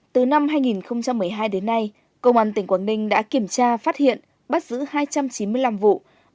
từ năm hai nghìn một mươi hai đến nay công an tỉnh quảng ninh đã kiểm tra phát hiện bắt giữ hai trăm chín mươi năm vụ